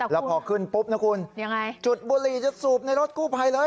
แล้วพอขึ้นปุ๊บนะคุณจุดบุหรี่จะสูบในรถกู้ภัยเลย